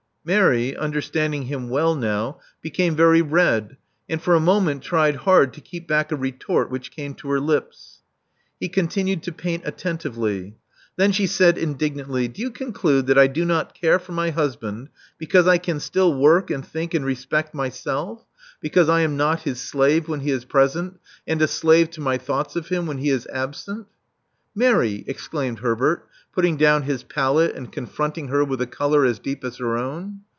Mary, understanding him well now, became very red, and for a moment tried hard to keep back a retort which came to her lips. He continued to paint attentively. Then she said indignantly, Do you conclude that I do not care for my husband because I can still work and think and respect myself — because 390 Love Among the Artists I am not his slave when he is present, and a slave to my thoughts of him when he is absent?" Mary!" exclaimed Herbert, putting down his palette and confronting her with a color as deep as her own.